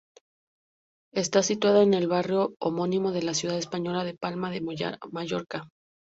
Está situada en el barrio homónimo de la ciudad española de Palma de Mallorca.